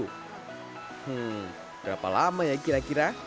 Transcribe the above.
hmm berapa lama ya kira kira